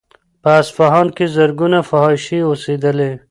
په اصفهان کې زرګونه فاحشې اوسېدلې.